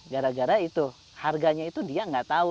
gara gara itu harganya itu dia nggak tahu